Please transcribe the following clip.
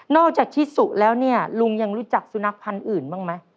อกจากชิสุแล้วเนี่ยลุงยังรู้จักสุนัขพันธ์อื่นบ้างไหม